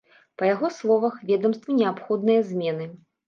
Па яго словах, ведамству неабходныя змены.